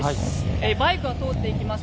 バイクが通っていきます。